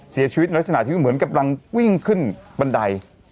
เสียชีวิตลักษณะที่เหมือนกำลังวิ่งขึ้นบันได